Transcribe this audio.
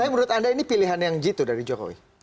tapi menurut anda ini pilihan yang jitu dari jokowi